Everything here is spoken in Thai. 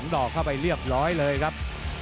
ดอกเข้าไปเรียบร้อยเลยครับ